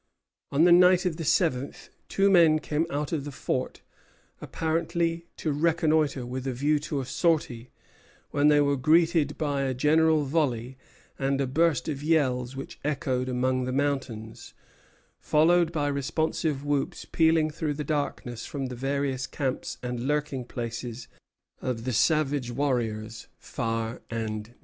On the night of the seventh, two men came out of the fort, apparently to reconnoitre, with a view to a sortie, when they were greeted by a general volley and a burst of yells which echoed among the mountains; followed by responsive whoops pealing through the darkness from the various camps and lurking places of the savage warriors far and near.